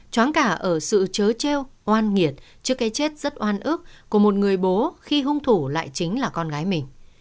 chóng cả ở sự chớ treo oan nghiệt trước cái chết rất oan ước của một người bố khi hung thủ lại chính là con gái mình